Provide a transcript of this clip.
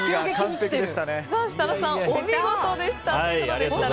設楽さん、お見事でした。